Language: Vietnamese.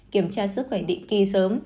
kiểm tra sức khỏe định kỳ sớm